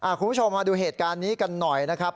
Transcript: คุณผู้ชมมาดูเหตุการณ์นี้กันหน่อยนะครับ